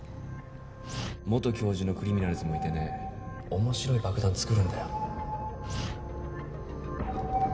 元教授のクリミナルズもいてね面白い爆弾作るんだよ